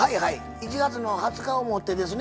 １月の２０日をもってですね